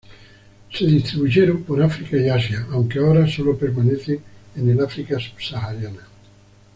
Se distribuyeron por África y Asia, aunque ahora sólo permanecen en el África subsahariana.